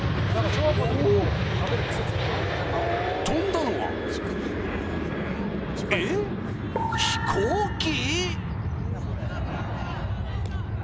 飛んだのはえっ、飛行機？